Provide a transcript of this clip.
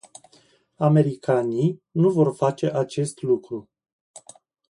Americanii nu vor face acest lucru.